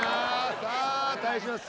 さあ対します